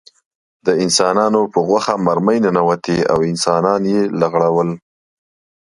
د انسانانو په غوښه مرمۍ ننوتې او انسانان یې لغړول